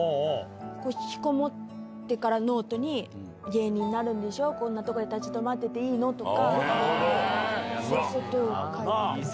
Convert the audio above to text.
引きこもってからノートに、芸人になるんでしょ、こんなところで立ち止まってていいの？とか。